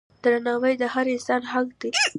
درناوی د هر انسان حق دی.